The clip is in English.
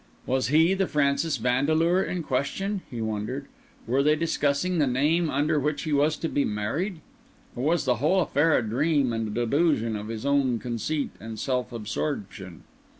Was he the Francis Vandeleur in question? he wondered. Were they discussing the name under which he was to be married? Or was the whole affair a dream and a delusion of his own conceit and self absorption?